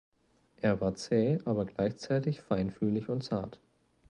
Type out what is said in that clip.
Er war zäh, aber gleichzeitig feinfühlig und zart.